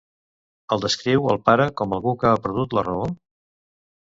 El descriu el pare com algú que ha perdut la raó?